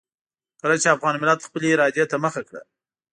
کله چې افغان ملت خپلې ارادې ته مخه کړه.